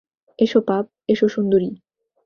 – এসো পাপ, এসো সুন্দরী!